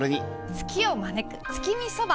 ツキを招く月見そば！